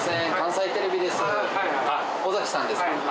尾崎さんですか？